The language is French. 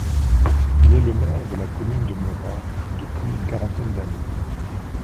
Il est le maire de la commune de Mora depuis une quarantaine d'années.